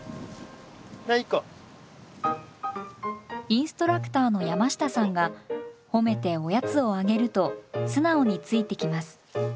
インストラクターの山下さんが褒めておやつをあげると素直についてきます。